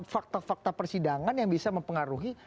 fakta fakta persidangan yang bisa mempengaruhi